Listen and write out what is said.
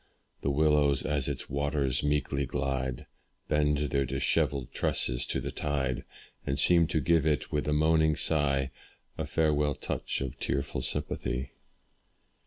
The willows, as its waters meekly glide, Bend their dishevelled tresses to the tide, And seem to give it, with a moaning sigh, A farewell touch of tearful sympathy.